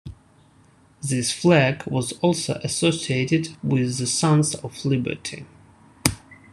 This flag was also associated with the Sons of Liberty.